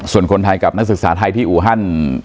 ส่วนคนไทยกับนักศึกษาไทยที่อูฮัน